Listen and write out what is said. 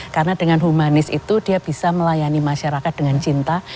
karena dengan humanis itu dia bisa melayani masyarakat dengan cinta